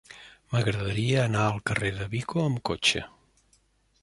M'agradaria anar al carrer de Vico amb cotxe.